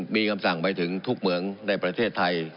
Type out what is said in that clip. มีคำสั่งไปถึงทุกเหมืองในประเทศไทย